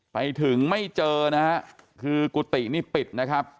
ไปถึงไม่เจอนะฮะคือกุฏินี่ปิดนะครับ